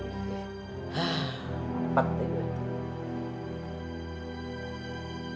hah empat lagi